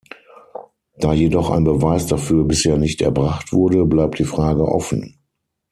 Da jedoch ein Beweis dafür bisher nicht erbracht wurde, bleibt die Frage offen.